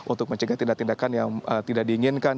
untuk mencegah tindakan tindakan yang tidak diinginkan